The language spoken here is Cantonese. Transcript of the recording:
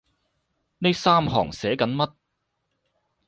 呢三行寫緊乜？